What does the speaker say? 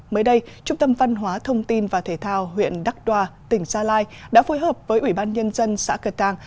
mới đây trung tâm văn hóa thông tin và thể thao huyện đắc đoa tỉnh gia lai đã phối hợp với ủy ban nhân dân xã cờ tàng